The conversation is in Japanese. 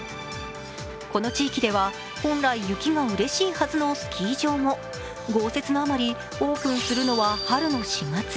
この地域では本来雪がうれしいはずのスキー場も豪雪のあまり、オープンするのは春の４月。